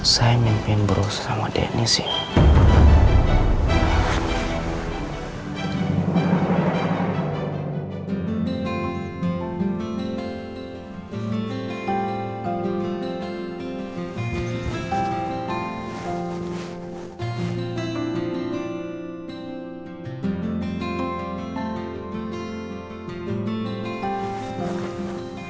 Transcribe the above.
saya mimpiin berusaha sama denise ya